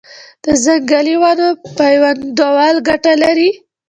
د ځنګلي ونو پیوندول ګټه لري؟